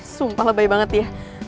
sumpah lebay banget ya